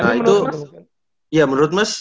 nah itu ya menurut mas